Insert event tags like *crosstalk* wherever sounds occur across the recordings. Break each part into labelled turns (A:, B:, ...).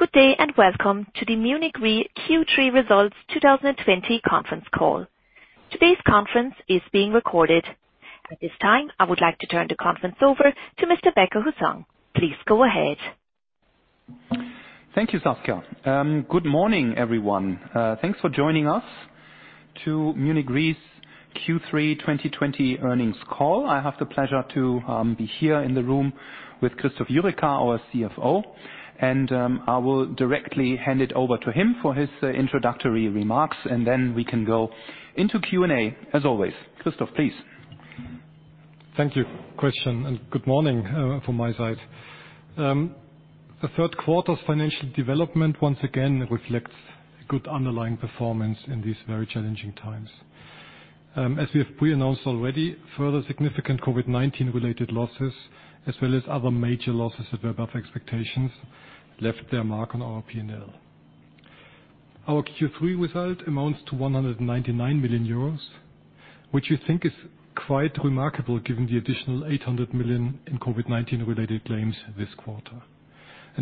A: Good day and welcome to the Munich Re Q3 results 2020 conference call. Today's conference is being recorded. At this time, I would like to turn the conference over to Mr. Becker-Hussong. Please go ahead.
B: Thank you, Saskia. Good morning, everyone. Thanks for joining us to Munich Re's Q3 2020 earnings call. I have the pleasure to be here in the room with Christoph Jurecka, our CFO, and I will directly hand it over to him for his introductory remarks, and then we can go into Q&A as always. Christoph, please.
C: Thank you, Christian. Good morning from my side. The third quarter's financial development once again reflects good underlying performance in these very challenging times. As we have pre-announced already, further significant COVID-19 related losses as well as other major losses that were above expectations, left their mark on our P&L. Our Q3 result amounts to 199 million euros, which we think is quite remarkable given the additional 800 million in COVID-19 related claims this quarter.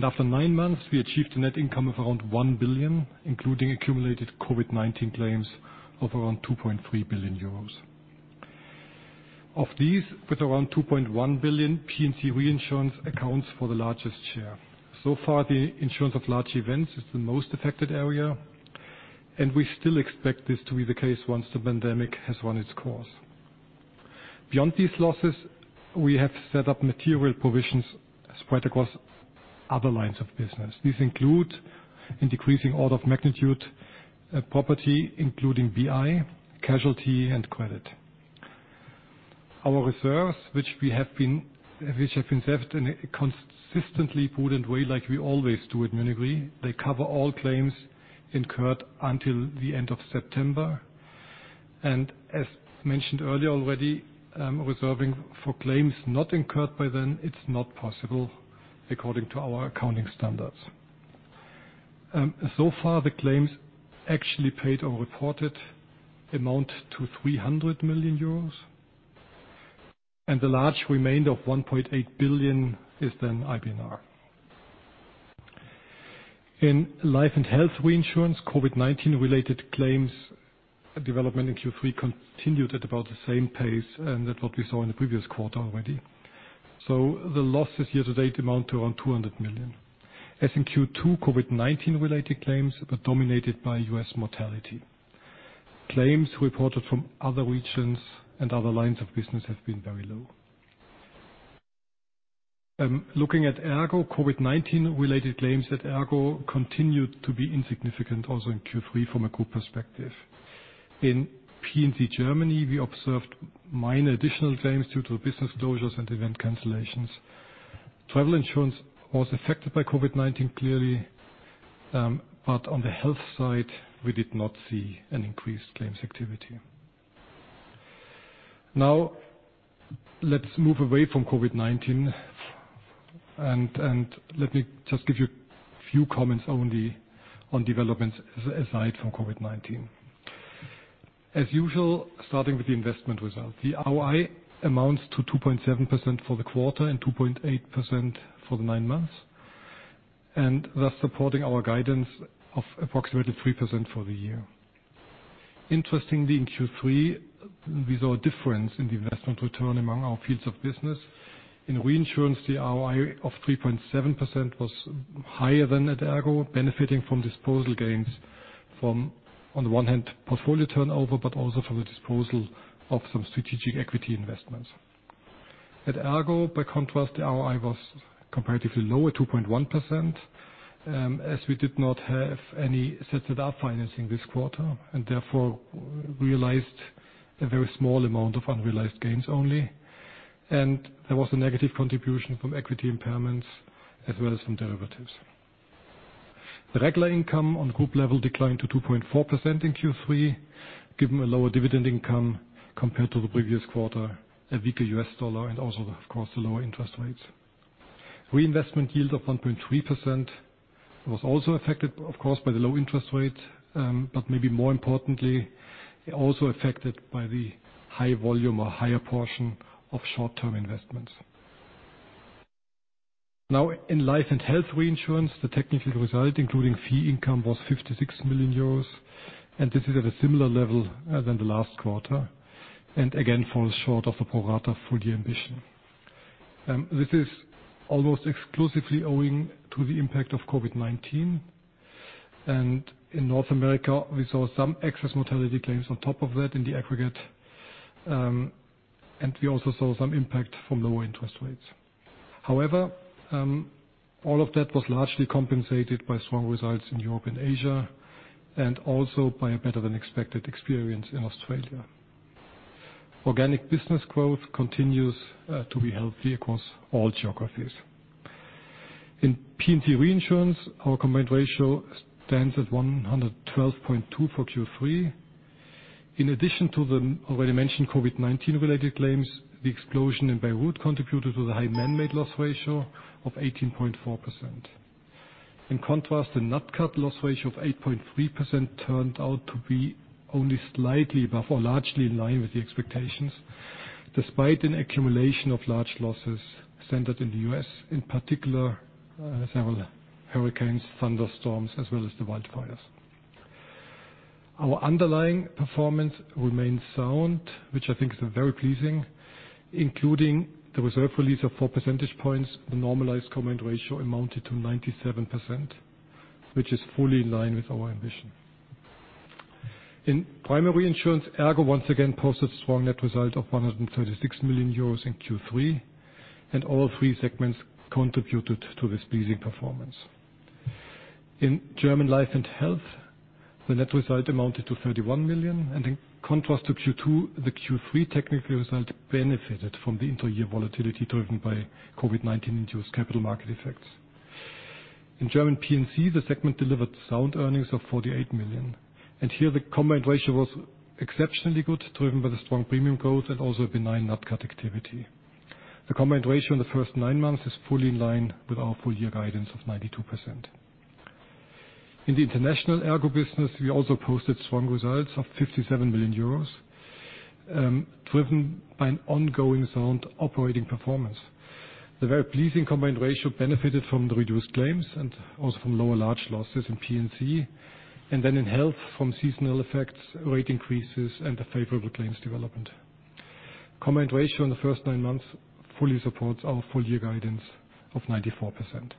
C: After nine months, we achieved a net income of around 1 billion, including accumulated COVID-19 claims of around 2.3 billion euros. Of these, with around 2.1 billion, P&C reinsurance accounts for the largest share. So far, the insurance of large events is the most affected area, and we still expect this to be the case once the pandemic has run its course. Beyond these losses, we have set up material provisions spread across other lines of business. These include, in decreasing order of magnitude, property, including BI, casualty and credit. Our reserves, which have been saved in a consistently prudent way like we always do at Munich Re. They cover all claims incurred until the end of September. As mentioned earlier already, reserving for claims not incurred by then, it's not possible according to our accounting standards. Far the claims actually paid or reported amount to 300 million euros, and the large remainder of 1.8 billion is then IBNR. In life and health reinsurance, COVID-19 related claims development in Q3 continued at about the same pace and that what we saw in the previous quarter already. The losses year to date amount to around 200 million. As in Q2, COVID-19 related claims are dominated by U.S. mortality. Claims reported from other regions and other lines of business have been very low. Looking at ERGO, COVID-19 related claims at ERGO continued to be insignificant also in Q3 from a group perspective. In P&C Germany, we observed minor additional claims due to business closures and event cancellations. Travel insurance was affected by COVID-19, clearly, but on the health side, we did not see an increased claims activity. Now let's move away from COVID-19, and let me just give you a few comments only on developments aside from COVID-19. As usual, starting with the investment result. The ROI amounts to 2.7% for the quarter and 2.8% for the nine months, and thus supporting our guidance of approximately 3% for the year. Interestingly, in Q3, we saw a difference in the investment return among our fields of business. In reinsurance, the ROI of 3.7% was higher than at ERGO, benefiting from disposal gains from, on one hand, portfolio turnover, but also from the disposal of some strategic equity investments. At ERGO, by contrast, the ROI was comparatively lower at 2.1%, as we did not have any ZZR financing this quarter and therefore realized a very small amount of unrealized gains only, and there was a negative contribution from equity impairments as well as from derivatives. The regular income on group level declined to 2.4% in Q3, given a lower dividend income compared to the previous quarter, a weaker U.S. dollar, and also of course, the lower interest rates. Reinvestment yield of 1.3% was also affected, of course, by the low interest rate, but maybe more importantly, also affected by the high volume or higher portion of short-term investments. In life and health reinsurance, the technical result, including fee income, was 56 million euros, and this is at a similar level as in the last quarter, and again, falls short of the pro rata full-year ambition. This is almost exclusively owing to the impact of COVID-19. In North America, we saw some excess mortality claims on top of that in the aggregate, and we also saw some impact from lower interest rates. However, all of that was largely compensated by strong results in Europe and Asia, and also by a better-than-expected experience in Australia. Organic business growth continues to be healthy across all geographies. In P&C reinsurance, our combined ratio stands at 112.2 for Q3. In addition to the already mentioned COVID-19 related claims, the explosion in Beirut contributed to the high man-made loss ratio of 18.4%. In contrast, the net cat loss ratio of 8.3% turned out to be only slightly above or largely in line with the expectations, despite an accumulation of large losses centered in the U.S. In particular, several hurricanes, thunderstorms, as well as the wildfires. Our underlying performance remains sound, which I think is very pleasing, including the reserve release of four percentage points. The normalized combined ratio amounted to 97%, which is fully in line with our ambition. In primary insurance, ERGO once again posted strong net results of 136 million euros in Q3, and all three segments contributed to this pleasing performance. In German life and health, the net result amounted to 31 million. In contrast to Q2, the Q3 technical result benefited from the inter-year volatility driven by COVID-19 induced capital market effects. In German P&C, the segment delivered sound earnings of 48 million. Here the combined ratio was exceptionally good, driven by the strong premium growth and also benign net cat activity. The combined ratio in the first nine months is fully in line with our full year guidance of 92%. In the international ERGO business, we also posted strong results of 57 million euros, driven by an ongoing sound operating performance. The very pleasing combined ratio benefited from the reduced claims and also from lower large losses in P&C, and in health, from seasonal effects, rate increases, and the favorable claims development. Combined ratio in the first nine months fully supports our full year guidance of 94%.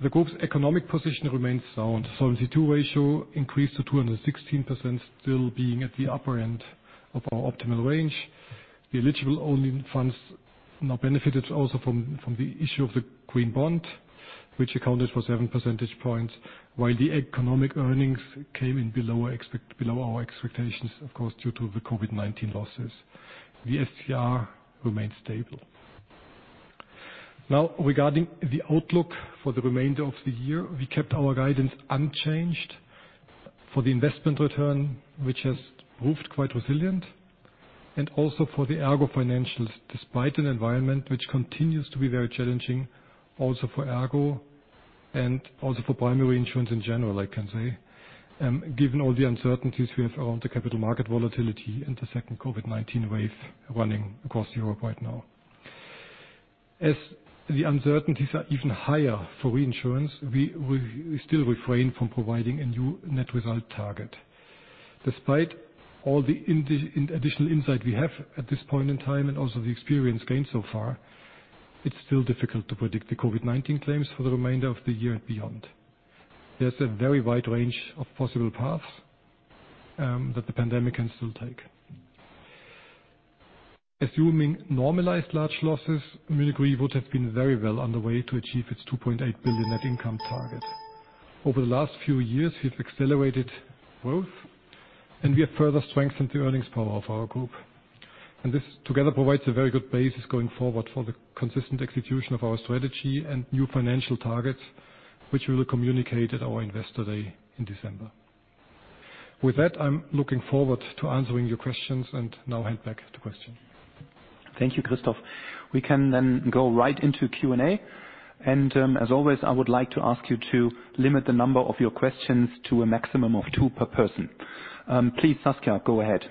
C: The group's economic position remains sound. Solvency II ratio increased to 216%, still being at the upper end of our optimal range. The eligible own funds now benefited also from the issue of the green bond, which accounted for seven percentage points. The economic earnings came in below our expectations, of course, due to the COVID-19 losses. The SCR remains stable. Regarding the outlook for the remainder of the year. We kept our guidance unchanged for the investment return, which has proved quite resilient. Also for the ERGO financials, despite an environment which continues to be very challenging also for ERGO and also for primary insurance in general, I can say. Given all the uncertainties we have around the capital market volatility and the second COVID-19 wave running across Europe right now. The uncertainties are even higher for reinsurance, we will still refrain from providing a new net result target. Despite all the additional insight we have at this point in time and also the experience gained so far, it's still difficult to predict the COVID-19 claims for the remainder of the year and beyond. There's a very wide range of possible paths that the pandemic can still take. Assuming normalized large losses, Munich Re would have been very well on the way to achieve its 2.8 billion net income target. Over the last few years, we've accelerated growth and we have further strengthened the earnings power of our group. This together provides a very good basis going forward for the consistent execution of our strategy and new financial targets, which we will communicate at our Investor Day in December. With that, I'm looking forward to answering your questions and now hand back at the question.
B: Thank you, Christoph. We can go right into Q&A. As always, I would like to ask you to limit the number of your questions to a maximum of two per person. Please, Saskia, go ahead.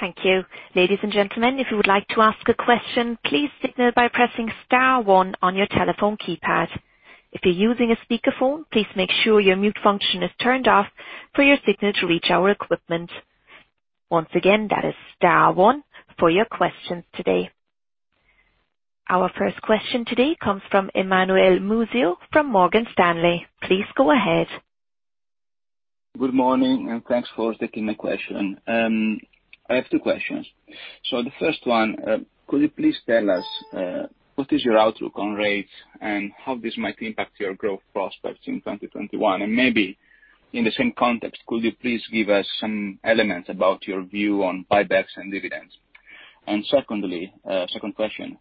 A: Thank you. Ladies and gentlemen, if you would like to ask a question, please signal by pressing star one on your telephone keypad. If you're using a speakerphone, please make sure your mute function is turned off for your signal to reach our equipment. Once again, that is star one for your questions today. Our first question today comes from Emanuele Muzio from Morgan Stanley. Please go ahead.
D: Good morning. Thanks for taking my question. I have two questions. The first one, could you please tell us, what is your outlook on rates and how this might impact your growth prospects in 2021? Maybe in the same context, could you please give us some elements about your view on buybacks and dividends? Secondly, second question.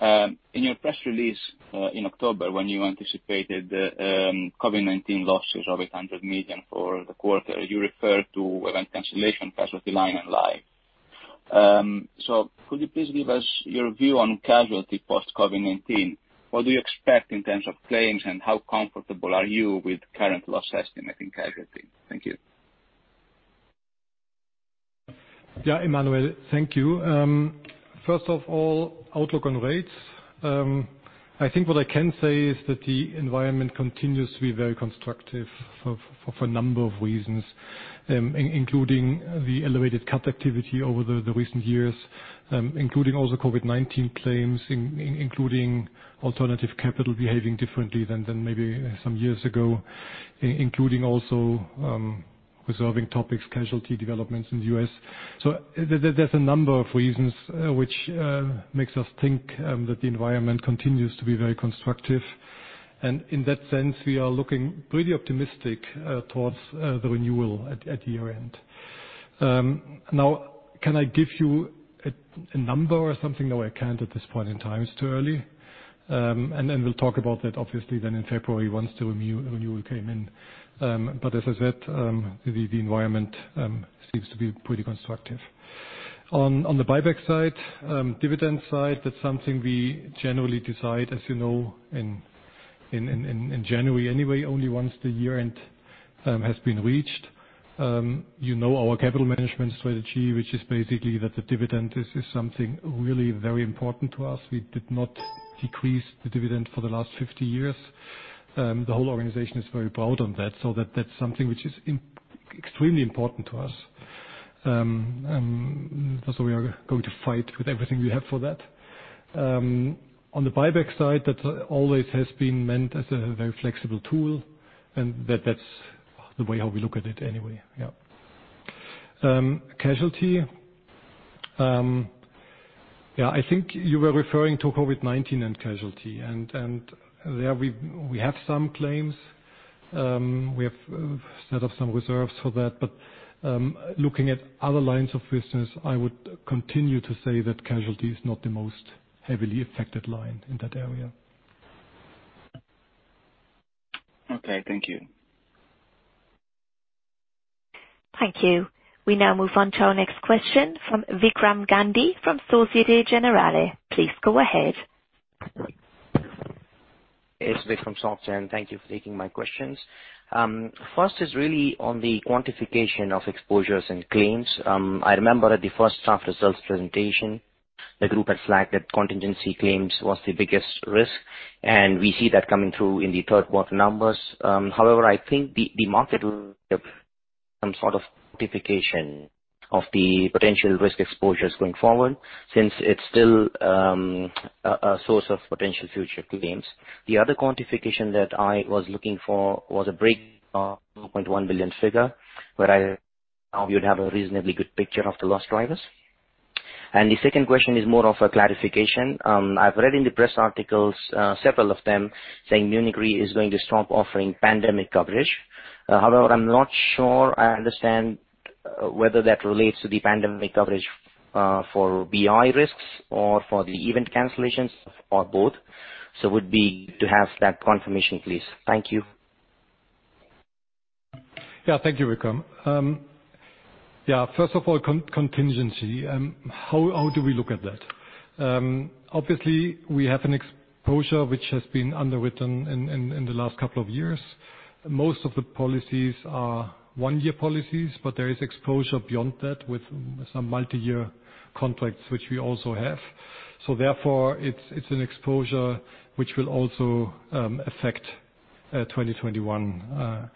D: In your press release in October when you anticipated the COVID-19 losses of 800 million for the quarter, you referred to event cancellation, casualty line, and life. Could you please give us your view on casualty post-COVID-19? What do you expect in terms of claims, and how comfortable are you with current loss estimate in casualty? Thank you.
C: Yeah, Emanuele. Thank you. First of all, outlook on rates. I think what I can say is that the environment continues to be very constructive for a number of reasons, including the elevated cat activity over the recent years, including also COVID-19 claims, including alternative capital behaving differently than maybe some years ago, including also reserving topics, casualty developments in the U.S. There's a number of reasons which makes us think that the environment continues to be very constructive. In that sense, we are looking pretty optimistic towards the renewal at year-end. Can I give you a number or something? No, I can't at this point in time. It's too early. We'll talk about that obviously then in February once the renewal came in. As I said, the environment seems to be pretty constructive. On the buyback side. Dividend side, that's something we generally decide, as you know, in January anyway, only once the year-end has been reached. You know our capital management strategy, which is basically that the dividend is something really very important to us. We did not decrease the dividend for the last 50 years. The whole organization is very proud on that. That's something which is extremely important to us. Also we are going to fight with everything we have for that. On the buyback side, that always has been meant as a very flexible tool, and that's the way how we look at it anyway. Casualty. I think you were referring to COVID-19 and casualty. There, we have some claims. We have set up some reserves for that. Looking at other lines of business, I would continue to say that casualty is not the most heavily affected line in that area.
D: Okay. Thank you.
A: Thank you. We now move on to our next question from Vikram Gandhi from Societe Generale. Please go ahead.
E: It's Vikram from Soc Gen. Thank you for taking my questions. First is really on the quantification of exposures and claims. I remember at the first half results presentation, the group had flagged that contingency claims was the biggest risk, and we see that coming through in the third quarter numbers. I think the market will have some sort of quantification of the potential risk exposures going forward since it's still a source of potential future claims. The other quantification that I was looking for was a break of 2.1 billion figure, where you'd have a reasonably good picture of the loss drivers. The second question is more of a clarification. I've read in the press articles, several of them, saying Munich Re is going to stop offering pandemic coverage. However, I'm not sure I understand whether that relates to the pandemic coverage, for BI risks or for the event cancellations, or both. Would be good to have that confirmation, please. Thank you.
C: Yeah, thank you, Vikram. First of all, contingency. How do we look at that? Obviously, we have an exposure which has been underwritten in the last couple of years. Most of the policies are one-year policies, but there is exposure beyond that with some multi-year contracts, which we also have. Therefore, it's an exposure which will also affect 2021.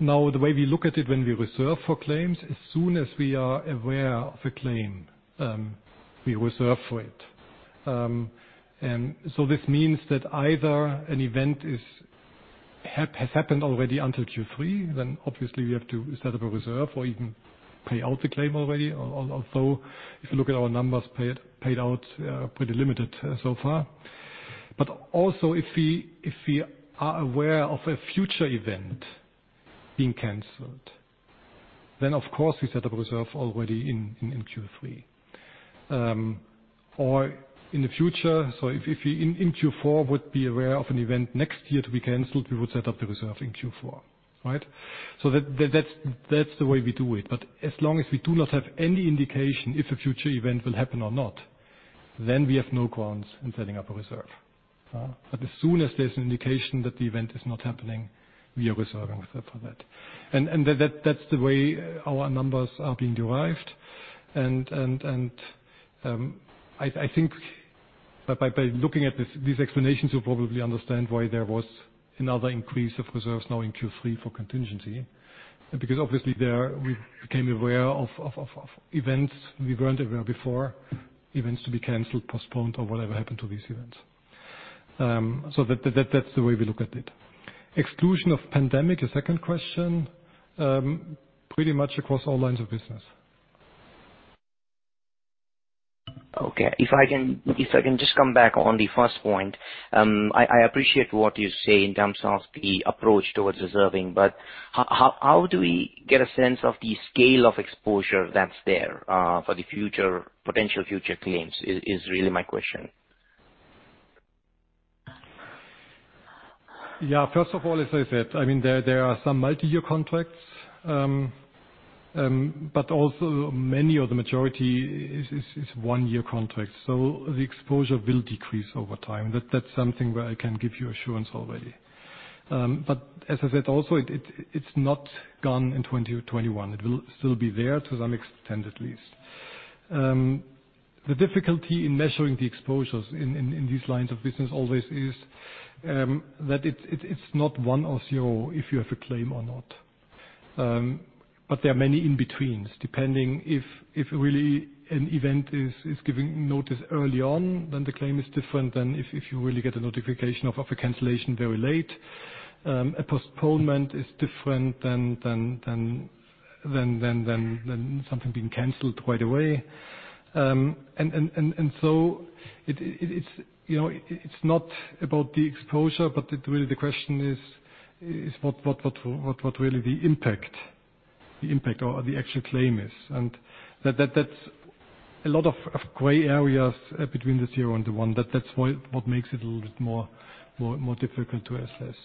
C: Now, the way we look at it, when we reserve for claims, as soon as we are aware of a claim, we reserve for it. This means that either an event has happened already until Q3, then obviously we have to set up a reserve or even pay out the claim already. Although, if you look at our numbers, paid out pretty limited so far. Also, if we are aware of a future event being canceled, then of course, we set up a reserve already in Q3. In the future, if in Q4 would be aware of an event next year to be canceled, we would set up the reserve in Q4, right? That's the way we do it. As long as we do not have any indication if a future event will happen or not, we have no grounds in setting up a reserve. As soon as there's an indication that the event is not happening, we are reserving for that. That's the way our numbers are being derived. I think by looking at these explanations, you'll probably understand why there was another increase of reserves now in Q3 for contingency. Obviously there, we became aware of events we weren't aware of before, events to be canceled, postponed or whatever happened to these events. That's the way we look at it. Exclusion of pandemic, the second question, pretty much across all lines of business.
E: Okay. If I can just come back on the first point. I appreciate what you say in terms of the approach towards reserving, but how do we get a sense of the scale of exposure that is there, for the potential future claims is really my question.
C: Yeah. First of all, as I said, there are some multi-year contracts. Also many or the majority is one-year contracts. The exposure will decrease over time. That's something where I can give you assurance already. As I said, also, it's not gone in 2021. It will still be there to some extent, at least. The difficulty in measuring the exposures in these lines of business always is that it's not one or zero if you have a claim or not. There are many in-betweens, depending if really an event is giving notice early on, then the claim is different than if you really get a notification of a cancellation very late. A postponement is different than something being canceled right away. It's not about the exposure, but really the question is what really the impact or the actual claim is. A lot of gray areas between the zero and the one. That's what makes it a little bit more difficult to assess.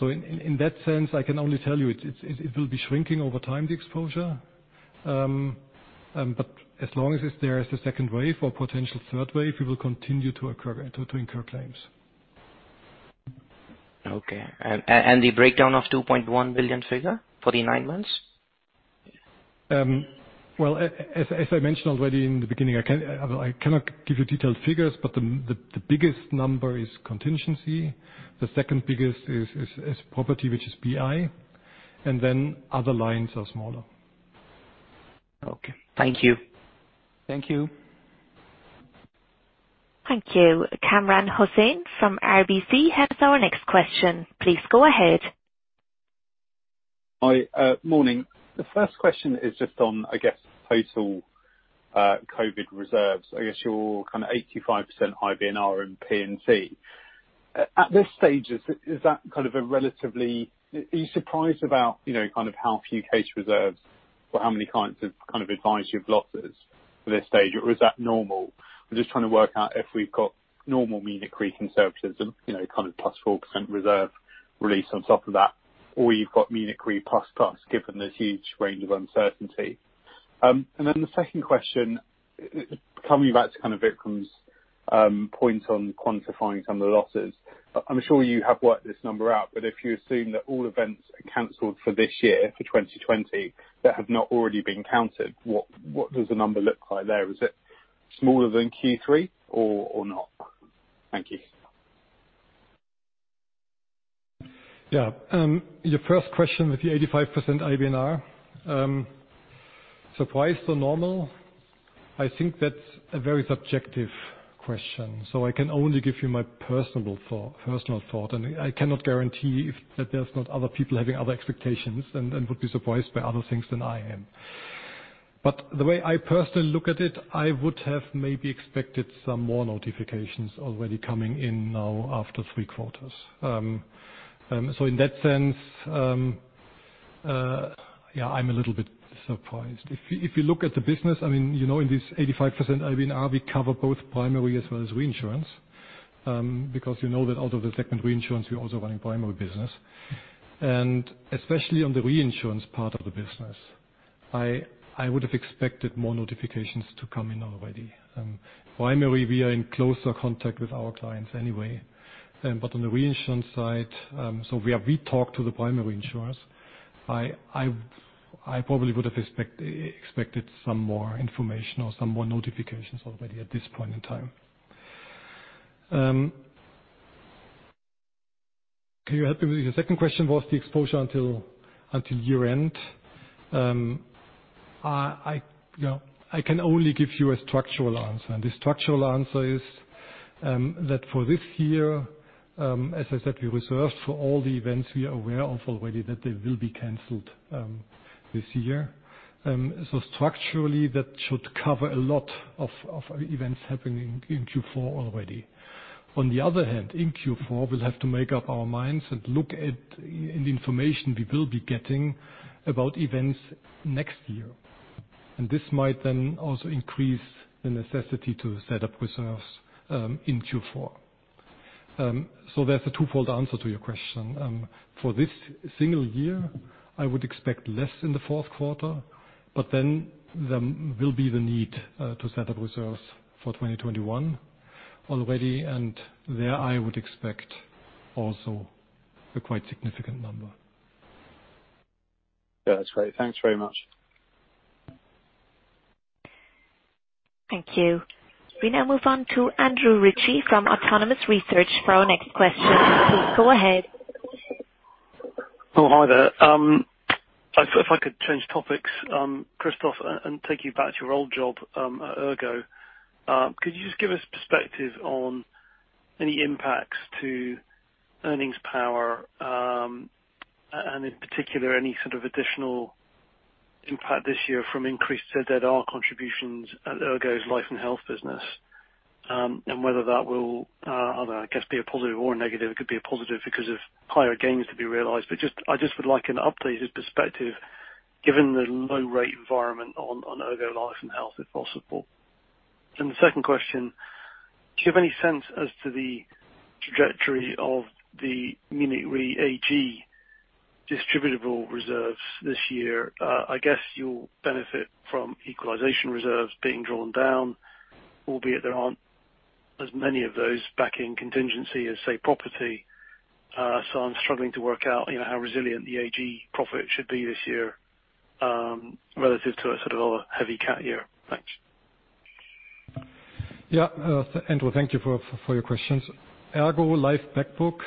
C: In that sense, I can only tell you it will be shrinking over time, the exposure. As long as there is a second wave or potential third wave, we will continue to incur claims.
E: Okay. The breakdown of 2.1 billion figure for the nine months?
C: Well, as I mentioned already in the beginning, I cannot give you detailed figures, but the biggest number is contingency. The second biggest is property, which is BI, and then other lines are smaller.
E: Okay. Thank you.
C: Thank you.
A: Thank you. Kamran Hossain from RBC has our next question. Please go ahead.
F: Hi. Morning. The first question is just on, I guess total COVID-19 reserves. I guess your 85% IBNR and P&C. At this stage, are you surprised about how few case reserves or how many kinds of advisory losses for this stage? Is that normal? I'm just trying to work out if we've got normal Munich Re conservatism, kind of plus 4% reserve release on top of that, or you've got Munich Re plus, given this huge range of uncertainty. The second question, coming back to Vikram's point on quantifying some of the losses. I'm sure you have worked this number out, if you assume that all events are canceled for this year, for 2020, that have not already been counted, what does the number look like there? Is it smaller than Q3 or not? Thank you.
C: Yeah. Your first question with the 85% IBNR. Surprised or normal? I think that's a very subjective question. I can only give you my personal thought. I cannot guarantee if that there's not other people having other expectations and would be surprised by other things than I am. The way I personally look at it, I would have maybe expected some more notifications already coming in now after three quarters. In that sense, yeah, I'm a little bit surprised. If you look at the business, in this 85% IBNR, we cover both primary as well as reinsurance, because you know that out of the segment reinsurance, we're also running primary business. Especially on the reinsurance part of the business, I would have expected more notifications to come in already. Primary, we are in closer contact with our clients anyway. On the reinsurance side, we talk to the primary insurers. I probably would have expected some more information or some more notifications already at this point in time. Can you help me with your second question? What's the exposure until year-end? I can only give you a structural answer. The structural answer is, that for this year, as I said, we reserved for all the events we are aware of already that they will be canceled this year. Structurally, that should cover a lot of events happening in Q4 already. On the other hand, in Q4, we'll have to make up our minds and look at the information we will be getting about events next year. This might also increase the necessity to set up reserves in Q4. There's a twofold answer to your question. For this single year, I would expect less in the fourth quarter. There will be the need to set up reserves for 2021 already. There I would expect also a quite significant number.
F: Yeah, that's great. Thanks very much.
A: Thank you. We now move on to Andrew Ritchie from Autonomous Research for our next question. Please go ahead.
G: Hi there. If I could change topics, Christoph, and take you back to your old job at ERGO. Could you just give us perspective on any impacts to earnings power, and in particular, any sort of additional impact this year from increased ZZR contributions at ERGO's life and health business? Whether that will, I don't know, I guess be a positive or a negative. It could be a positive because of higher gains to be realized. I just would like an updated perspective given the low rate environment on ERGO life and health, if possible. The second question, do you have any sense as to the trajectory of the Munich Re AG distributable reserves this year? I guess you'll benefit from equalization reserves being drawn down, albeit there aren't as many of those back in contingency as, say, property. I'm struggling to work out how resilient the AG profit should be this year, relative to a sort of heavy cat year. Thanks.
C: Yeah. Andrew, thank you for your questions. ERGO Life back book.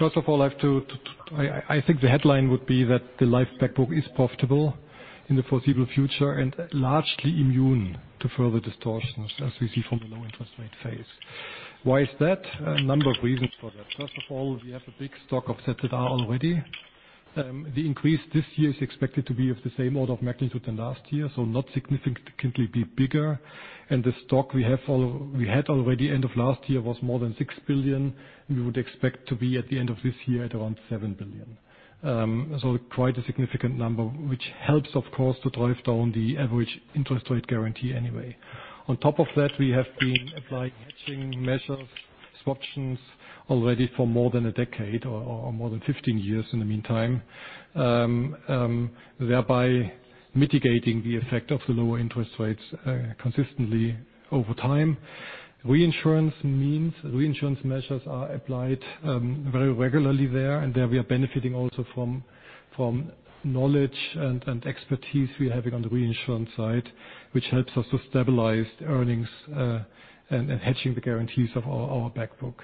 C: I think the headline would be that the life back book is profitable in the foreseeable future and largely immune to further distortions as we see from the low interest rate phase. Why is that? A number of reasons for that. We have a big stock of ZZR already. The increase this year is expected to be of the same order of magnitude than last year, so not significantly bigger. The stock we had already end of last year was more than 6 billion. We would expect to be at the end of this year at around 7 billion. Quite a significant number, which helps, of course, to drive down the average interest rate guarantee anyway. On top of that, we have been applying hedging measures, swaption already for more than a decade or more than 15 years in the meantime. Thereby mitigating the effect of the lower interest rates consistently over time. Reinsurance means reinsurance measures are applied very regularly there, and there we are benefiting also from knowledge and expertise we are having on the reinsurance side, which helps us to stabilize earnings, and hedging the guarantees of our back book.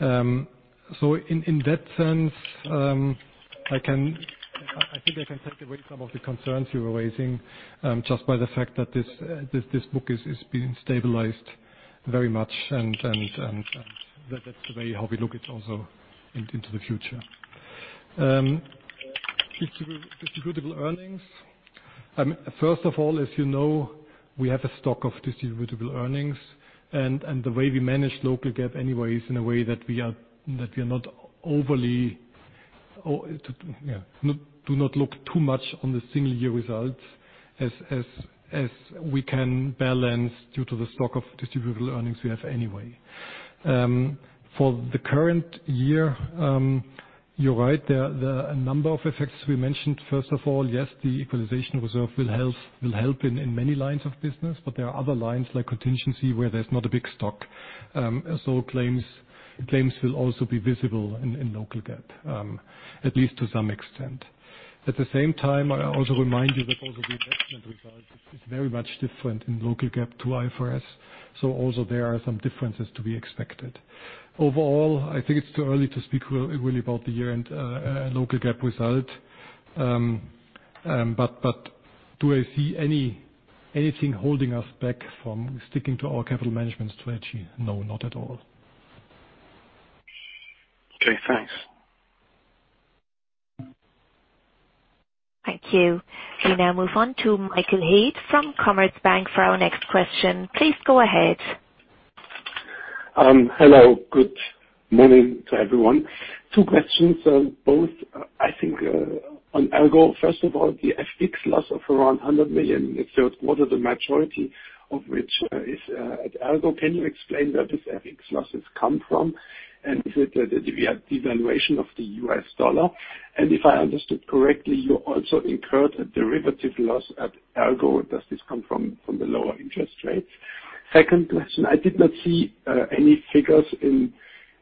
C: In that sense, I think I can take away some of the concerns you were raising, just by the fact that this book is being stabilized very much and that's the way how we look at also into the future. Distributable earnings. As you know, we have a stock of distributable earnings, and the way we manage local GAAP anyway is in a way that - do not look too much on the single year results as we can balance due to the stock of distributable earnings we have anyway. For the current year, you're right, there are a number of effects we mentioned. Yes, the equalization reserve will help in many lines of business, but there are other lines like contingency, where there's not a big stock. Claims will also be visible in local GAAP, at least to some extent. At the same time, I also remind you that also the investment result is very much different in local GAAP to IFRS. Also there are some differences to be expected. Overall, I think it's too early to speak really about the year-end local GAAP result. Do I see anything holding us back from sticking to our capital management strategy? No, not at all.
G: Okay, thanks.
A: Thank you. We now move on to Michael Haid from Commerzbank for our next question. Please go ahead.
H: Hello. Good morning to everyone. Two questions, both, I think, on ERGO. First of all, the FX loss of around 100 million in the third quarter, the majority of which is at ERGO. Can you explain where these FX losses come from? Is it the devaluation of the U.S. dollar? If I understood correctly, you also incurred a derivative loss at ERGO. Does this come from the lower interest rates? Second question, I did not see any figures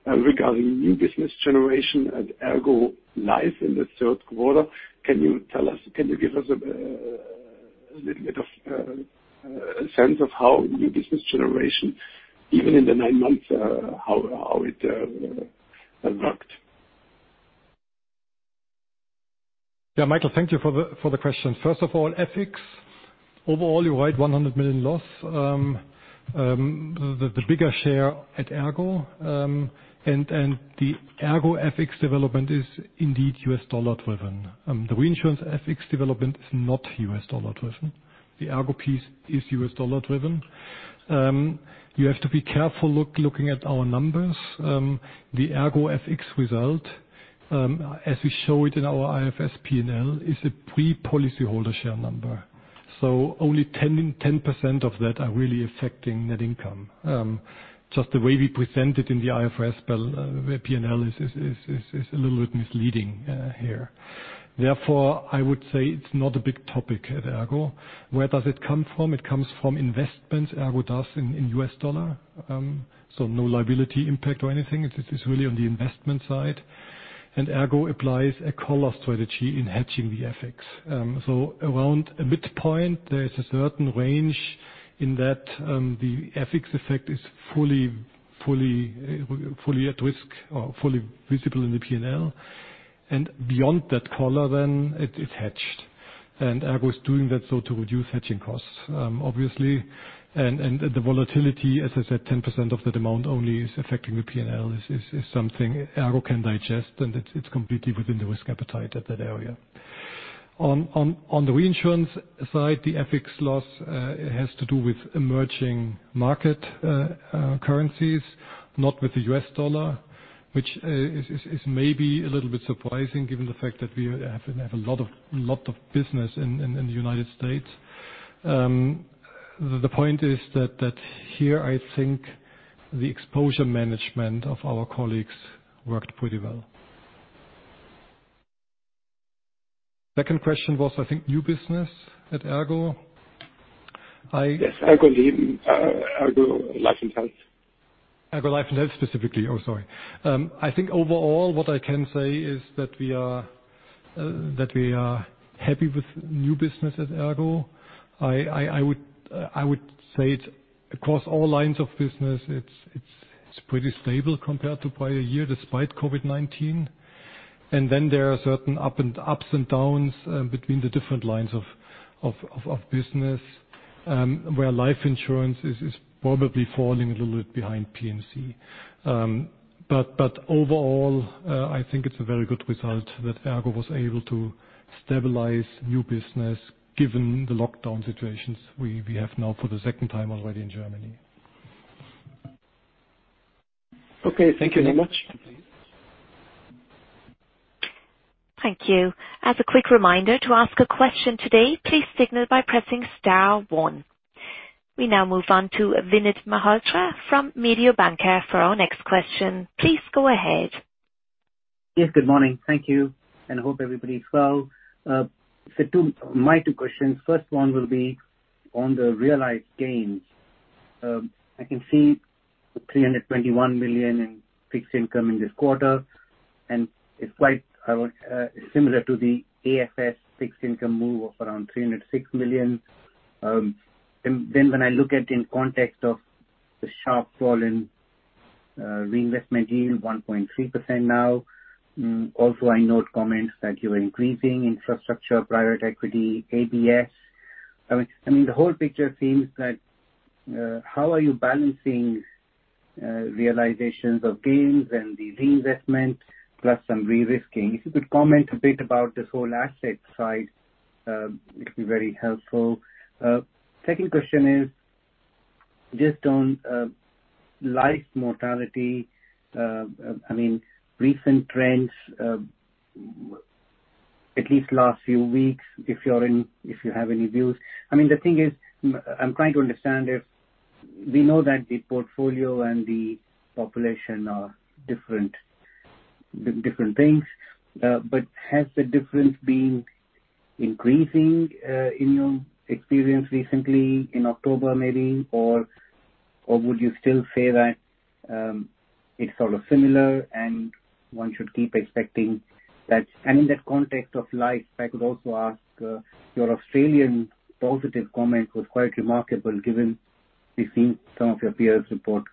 H: regarding new business generation at ERGO Leben in the third quarter. Can you give us a little bit of a sense of how new business generation, even in the nine months, how it worked?
C: Michael, thank you for the question. First of all, FX. You're right, 100 million loss. The bigger share at ERGO. The ERGO FX development is indeed USD-driven. The reinsurance FX development is not USD-driven. The ERGO piece is U.S dollar-driven. You have to be careful looking at our numbers. The ERGO FX result, as we show it in our IFRS P&L, is a pre-policyholder share number. Only 10% of that are really affecting net income. Just the way we present it in the IFRS P&L is a little bit misleading here. I would say it's not a big topic at ERGO. Where does it come from? It comes from investments ERGO does in U.S dollar, no liability impact or anything. It's really on the investment side. ERGO applies a collar strategy in hedging the FX. Around a midpoint, there is a certain range in that the FX effect is fully at risk or fully visible in the P&L. Beyond that collar then, it's hedged. ERGO is doing that so to reduce hedging costs, obviously. The volatility, as I said, 10% of that amount only is affecting the P&L, is something ERGO can digest and it's completely within the risk appetite at that area. On the reinsurance side, the FX loss has to do with emerging market currencies, not with the U.S. dollar, which is maybe a little bit surprising given the fact that we have a lot of business in the United States. The point is that here, I think the exposure management of our colleagues worked pretty well. Second question was, I think, new business at ERGO.
H: Yes. ERGO Leben, ERGO Life & Health.
C: ERGO Life & Health specifically. Oh, sorry. I think overall what I can say is that we are happy with new business at ERGO. I would say it's across all lines of business. It's pretty stable compared to prior year, despite COVID-19. Then there are certain ups and downs between the different lines of business. Where life insurance is probably falling a little bit behind P&C. Overall, I think it's a very good result that ERGO was able to stabilize new business given the lockdown situations we have now for the second time already in Germany.
H: Okay. Thank you very much.
A: Thank you. As a quick reminder, to ask a question today, please signal by pressing star one. We now move on to Vinit Malhotra from Mediobanca for our next question. Please go ahead.
I: Yes, good morning. Thank you. Hope everybody is well. My two questions, first one will be on the realized gains. I can see 321 million in fixed income in this quarter, and it's quite similar to the AFS fixed income move of around 306 million. When I look at in context of the sharp fall in reinvestment yield, 1.3% now. Also, I note comments that you are increasing infrastructure, private equity, ABS. The whole picture seems that, how are you balancing realizations of gains and the reinvestment, plus some de-risking? If you could comment a bit about this whole asset side, it'll be very helpful. Second question is just on life mortality. Recent trends, at least last few weeks, if you have any views. The thing is, I'm trying to understand if we know that the portfolio and the population are different things. Has the difference been increasing, in your experience recently, in October, maybe? Or would you still say that it's sort of similar and one should keep expecting that? And in that context of life, if I could also ask, your Australian positive comment was quite remarkable given we've seen some of your peers report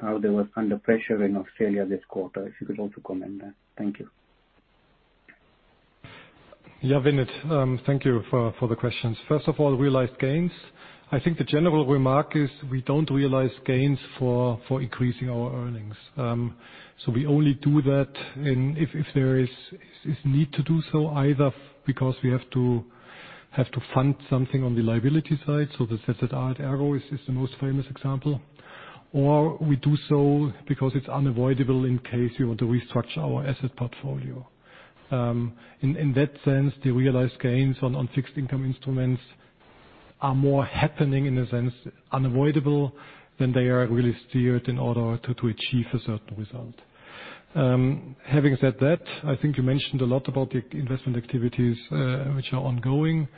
I: how they were under pressure in Australia this quarter. If you could also comment on that. Thank you.
C: Yeah, Vinit. Thank you for the questions. First of all, realized gains. I think the general remark is we don't realize gains for increasing our earnings. We only do that if there is need to do so, either because we have to fund something on the liability side. The ZZR is the most famous example, or we do so because it's unavoidable in case we want to restructure our asset portfolio. In that sense, the realized gains on fixed income instruments are more happening in a sense, unavoidable, than they are really steered in order to achieve a certain result. Having said that, I think you mentioned a lot about the investment activities which are ongoing.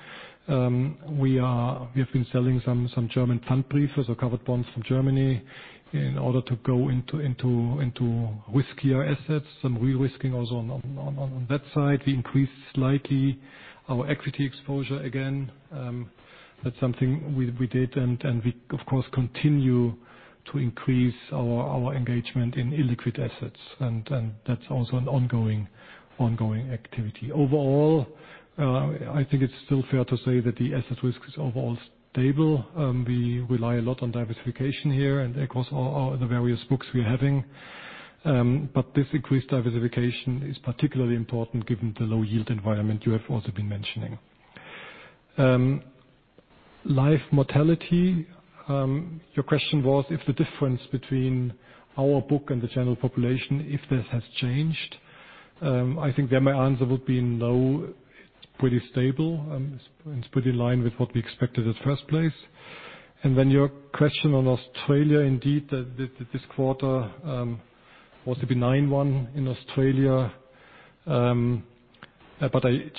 C: We have been selling some German Pfandbriefe or covered bonds from Germany in order to go into riskier assets, some de-risking also on that side. We increased slightly our equity exposure again. That's something we did. We, of course, continue to increase our engagement in illiquid assets, and that's also an ongoing activity. Overall, I think it's still fair to say that the asset risk is overall stable. We rely a lot on diversification here and across all the various books we're having. This increased diversification is particularly important given the low yield environment you have also been mentioning. Life mortality. Your question was if the difference between our book and the general population, if this has changed. I think there my answer would be no, it's pretty stable. It's pretty in line with what we expected at the first place. Your question on Australia, indeed, this quarter, was a benign one in Australia. I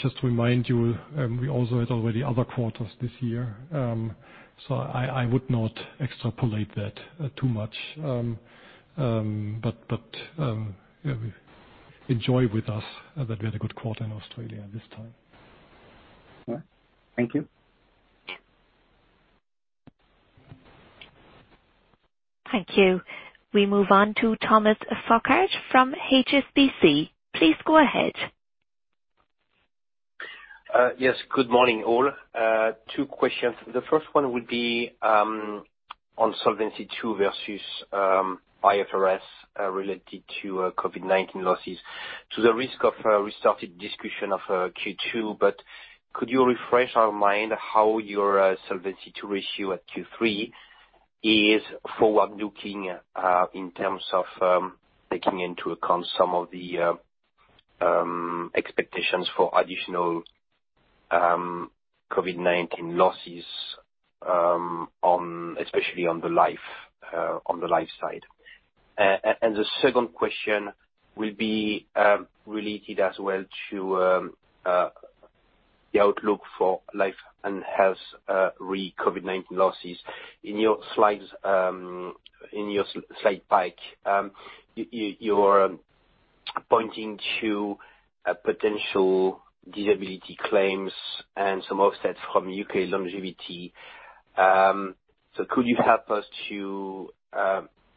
C: just remind you, we also had already other quarters this year. I would not extrapolate that too much. Yeah. Enjoy with us that we had a good quarter in Australia this time.
I: Yeah. Thank you.
A: Thank you. We move on to Thomas Fossard from HSBC. Please go ahead.
J: Yes, good morning, all. Two questions. The first one would be on Solvency II versus IFRS related to COVID-19 losses to the risk of restarted discussion of Q2. Could you refresh our mind how your Solvency II ratio at Q3 is forward-looking, in terms of taking into account some of the expectations for additional COVID-19 losses, especially on the life side? The second question will be related as well to the outlook for life and health re COVID-19 losses. In your slide pack, you are pointing to potential disability claims and some offsets from U.K. longevity. So could you help us to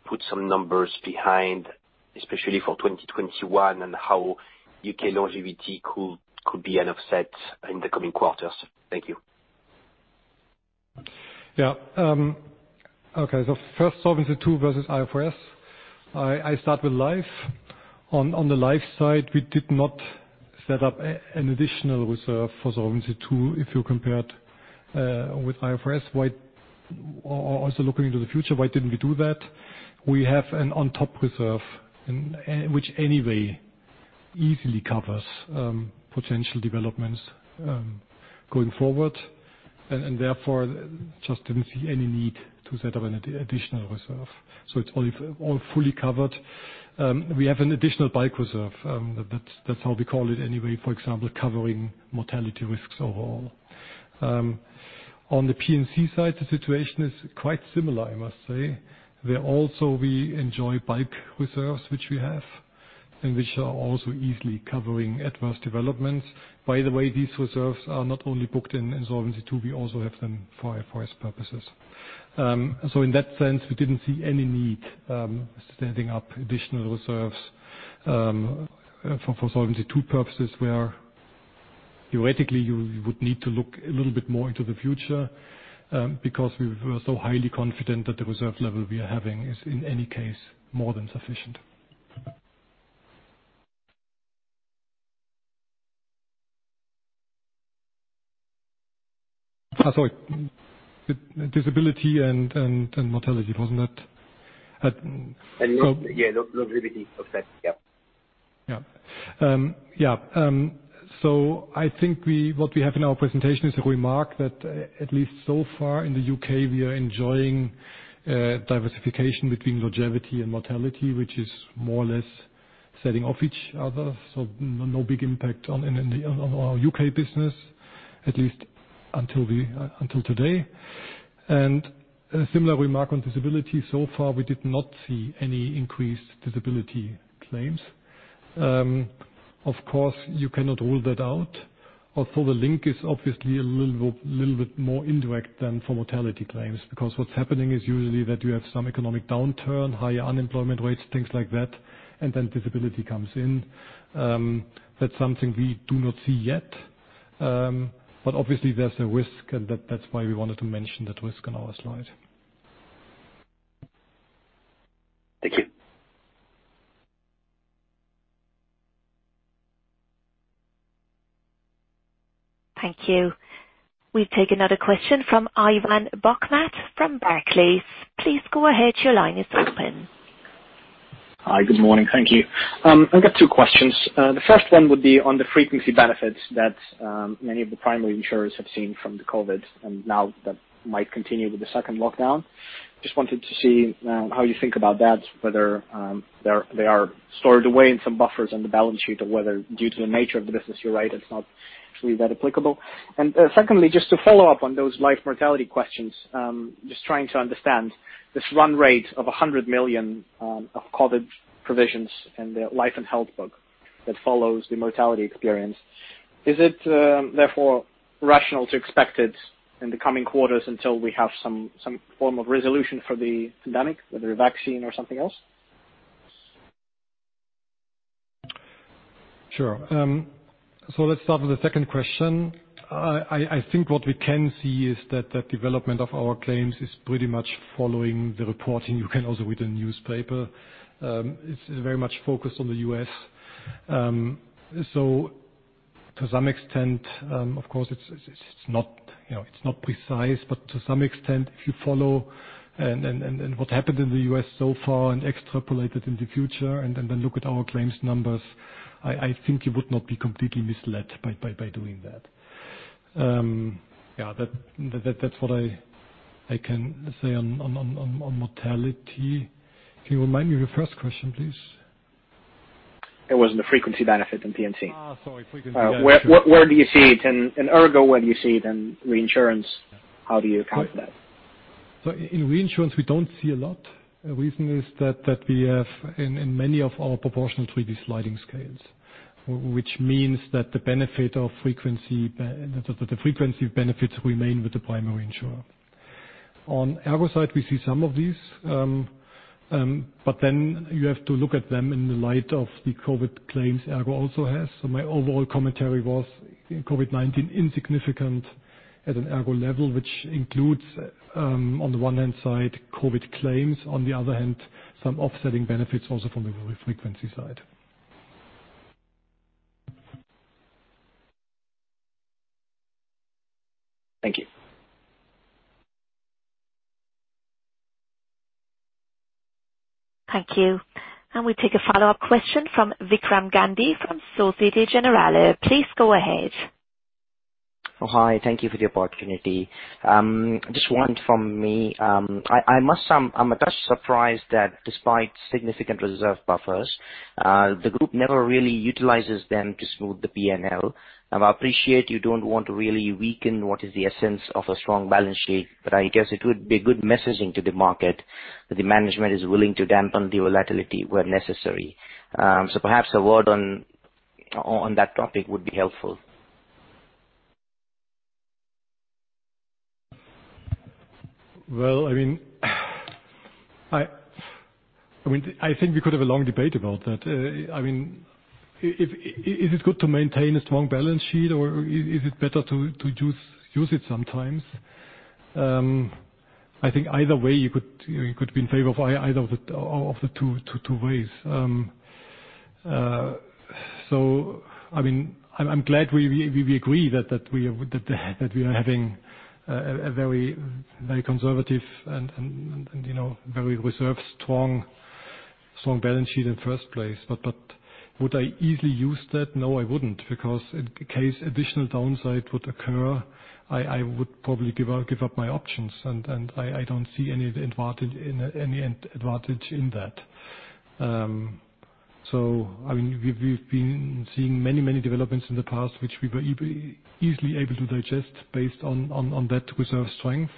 J: put some numbers behind, especially for 2021, and how U.K. longevity could be an offset in the coming quarters? Thank you.
C: Okay. First, Solvency II versus IFRS. I start with life. On the life side, we did not set up an additional reserve for Solvency II, if you compared with IFRS. Looking into the future, why didn't we do that? We have an on-top reserve, which anyway, easily covers potential developments going forward, and therefore just didn't see any need to set up an additional reserve. It's all fully covered. We have an additional *audio distortion* reserve. That's how we call it anyway, for example, covering mortality risks overall. On the P&C side, the situation is quite similar, I must say. There also, we enjoy equalization reserves, which we have, and which are also easily covering adverse developments. These reserves are not only booked in Solvency II, we also have them for IFRS purposes. In that sense, we didn't see any need standing up additional reserves for Solvency II purposes, where theoretically you would need to look a little bit more into the future, because we were so highly confident that the reserve level we are having is, in any case, more than sufficient. Sorry. Disability and mortality, wasn't it?
J: Yeah, longevity offset. Yep.
C: I think what we have in our presentation is a remark that at least so far in the U.K., we are enjoying diversification between longevity and mortality, which is more or less setting off each other. No big impact on our U.K. business, at least until today. A similar remark on disability. So far, we did not see any increased disability claims. Of course, you cannot rule that out. Although the link is obviously a little bit more indirect than for mortality claims, because what's happening is usually that you have some economic downturn, higher unemployment rates, things like that, and then disability comes in. That's something we do not see yet. Obviously, there's a risk, and that's why we wanted to mention that risk on our slide.
J: Thank you.
A: Thank you. We take another question from Ivan Bokhmat from Barclays. Please go ahead. Your line is open.
K: Hi. Good morning. Thank you. I've got two questions. The first one would be on the frequency benefits that many of the primary insurers have seen from the COVID-19, and now that might continue with the second lockdown. Just wanted to see how you think about that, whether they are stored away in some buffers on the balance sheet or whether, due to the nature of the business, you're right, it's not actually that applicable. Secondly, just to follow up on those life mortality questions, just trying to understand this run rate of 100 million of COVID-19 provisions in the life and health book that follows the mortality experience. Is it, therefore, rational to expect it in the coming quarters until we have some form of resolution for the pandemic, whether a vaccine or something else?
C: Sure. Let's start with the second question. I think what we can see is that the development of our claims is pretty much following the reporting you can also read in the newspaper. It's very much focused on the U.S. To some extent, of course, it's not precise, but to some extent, if you follow what happened in the U.S. so far and extrapolate it in the future, and then look at our claims numbers, I think you would not be completely misled by doing that. Yeah. That's what I can say on mortality. Can you remind me of your first question, please?
K: It was on the frequency benefit in P&C.
C: Sorry, frequency benefit.
K: Where do you see it in ERGO? Where do you see it in reinsurance? How do you account for that?
C: In reinsurance, we don't see a lot. The reason is that we have, in many of our proportional treaties, sliding scales. The frequency benefits remain with the primary insurer. On the ERGO side, we see some of these. You have to look at them in the light of the COVID claims ERGO also has. My overall commentary was COVID-19 insignificant at an ERGO level, which includes, on the one hand side, COVID claims, on the other hand, some offsetting benefits also from the frequency side.
K: Thank you.
A: Thank you. We take a follow-up question from Vikram Gandhi from Societe Generale. Please go ahead.
E: Oh, hi. Thank you for the opportunity. Just one from me. I must say, I'm a touch surprised that despite significant reserve buffers, the group never really utilizes them to smooth the P&L. I appreciate you don't want to really weaken what is the essence of a strong balance sheet, but I guess it would be good messaging to the market that the management is willing to dampen the volatility where necessary. Perhaps a word on that topic would be helpful.
C: Well, I think we could have a long debate about that. Is it good to maintain a strong balance sheet, or is it better to use it sometimes? I think either way you could be in favor of either of the two ways. I'm glad we agree that we are having a very conservative and very reserved, strong balance sheet in first place. Would I easily use that? No, I wouldn't, because in case additional downside would occur, I would probably give up my options, and I don't see any advantage in that. We've been seeing many, many developments in the past, which we were easily able to digest based on that reserve strength.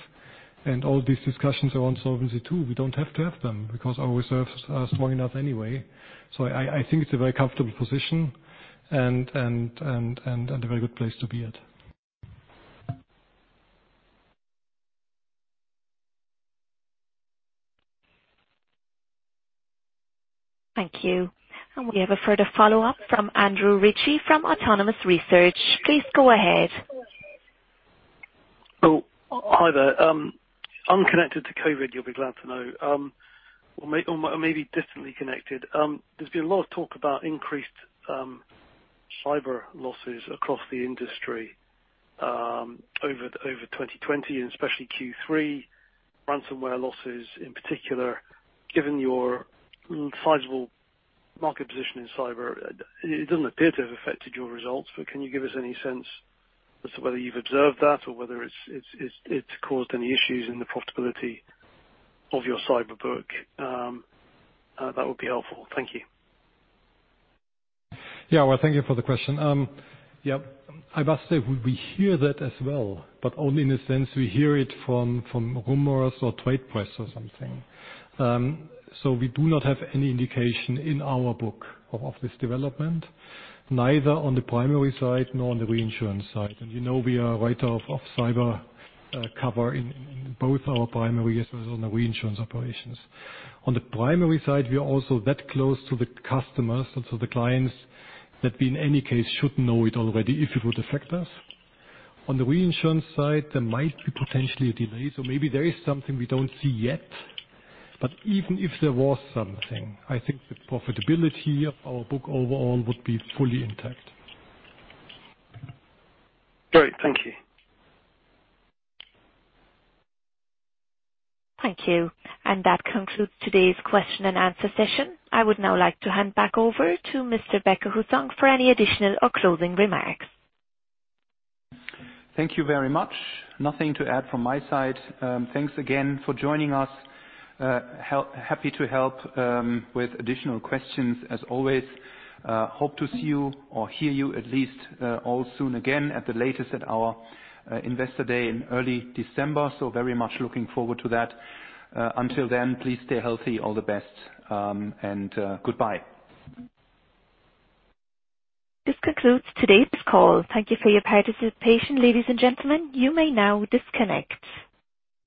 C: All these discussions around Solvency II, we don't have to have them because our reserves are strong enough anyway. I think it's a very comfortable position and a very good place to be at.
A: Thank you. We have a further follow-up from Andrew Ritchie from Autonomous Research. Please go ahead.
G: Oh, hi there. Unconnected to COVID, you'll be glad to know. Or maybe distantly connected. There's been a lot of talk about increased cyber losses across the industry over 2020 and especially Q3, ransomware losses in particular. Given your sizable market position in cyber, it doesn't appear to have affected your results, but can you give us any sense as to whether you've observed that or whether it's caused any issues in the profitability of your cyber book? If that would be helpful. Thank you.
C: Yeah. Well, thank you for the question. Yep. I must say, we hear that as well, but only in a sense we hear it from rumors or trade press or something. We do not have any indication in our book of this development, neither on the primary side nor on the reinsurance side. You know we are right off of cyber cover in both our primary as well as on the reinsurance operations. On the primary side, we are also that close to the customers or to the clients that we in any case should know it already if it would affect us. On the reinsurance side, there might be potentially a delay, so maybe there is something we don't see yet. Even if there was something, I think the profitability of our book overall would be fully intact.
G: Great. Thank you.
A: Thank you. That concludes today's question and answer session. I would now like to hand back over to Mr. Becker-Hussong for any additional or closing remarks.
B: Thank you very much. Nothing to add from my side. Thanks again for joining us. Happy to help with additional questions as always. Hope to see you or hear you at least all soon again at the latest at our Investor Day in early December. Very much looking forward to that. Until then, please stay healthy. All the best, and goodbye.
A: This concludes today's call. Thank you for your participation, ladies and gentlemen. You may now disconnect.